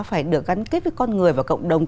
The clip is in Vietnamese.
phải được gắn kết với con người và cộng đồng